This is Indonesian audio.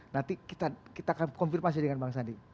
nanti kita akan konfirmasi dengan bang sandi